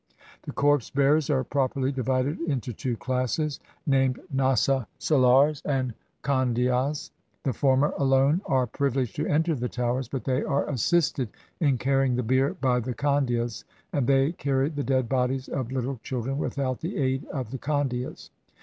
The corpse bearers are properly divided into two classes, named Nasa salars and Khandhias. The former alone are privileged to enter the Towers, but they are assisted 240 THE TOWERS OF SILENCE in carrying the bier by the Khandhias, and they carry the dead bodies of little children without the aid of the Khandhias.